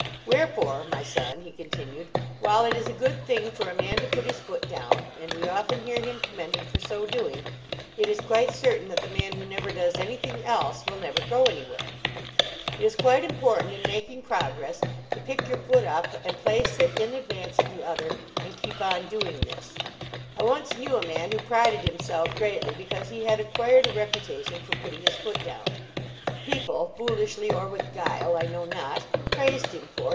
" Wherefore, my son," he continued, "while it is a good thing for a man to put his foot down, and we often hear him com mended for so doing, it is quite certain that the man who never does any thing else will never go anywhere. It is quite important in 85 LEARNING TO TRAVEL making progress to pick your foot up and place it in advance of the other, and keep on doing this. I once knew a man who prided himself greatly because he had acquired a reputation for putting his foot down. People foolishly or with guile, I know not praised him for it.